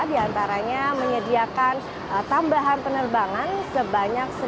diantaranya menyediakan tambahan penerbangan sebanyak satu satu ratus sembilan puluh lima